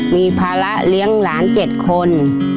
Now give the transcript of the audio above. มีภาระเลี้ยงหลาน๗คน